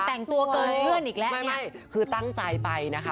แต่งตัวเกินเพื่อนอีกแล้วไม่ไม่คือตั้งใจไปนะคะ